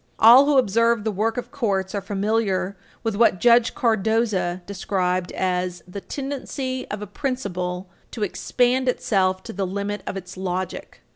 All who observe the work of courts are familiar with what Judge Cardozo described as "the tendency of a principle to expand itself to the limit of its logic."